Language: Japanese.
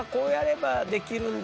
できるんだ。